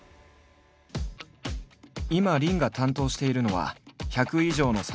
今林が担当しているのは１００以上の作品が読める